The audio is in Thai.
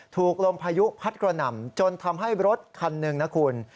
ถูกลมพายุพัดกระหน่ำจนทำให้รถคันหนึ่งนะคุณ